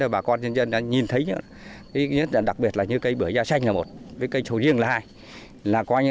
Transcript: bà con nhân dân nhìn thấy đặc biệt là cây bưởi ra xanh là một cây sầu riêng là hai